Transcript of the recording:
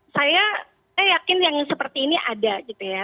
saya yakin yang seperti ini ada gitu ya